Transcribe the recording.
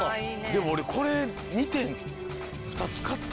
でも俺これ２点。